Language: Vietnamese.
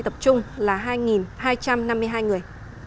tập trung là hai hai trăm năm mươi hai người